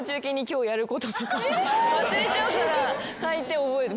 忘れちゃうから書いて覚える。